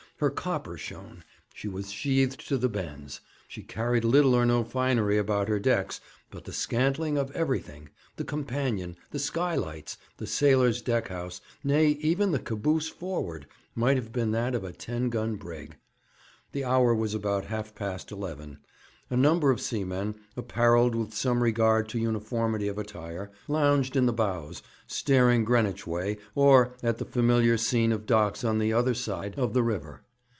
Her copper shone; she was sheathed to the bends; she carried little or no finery about her decks, but the scantling of everything the companion, the skylights, the sailors' deck house, nay, even the caboose forward might have been that of a ten gun brig. The hour was about half past eleven. A number of seamen, apparelled with some regard to uniformity of attire, lounged in the bows, staring Greenwich way, or at the familiar scene of docks the other side of the river.